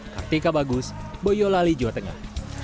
kartika bagus boyolali jawa tengah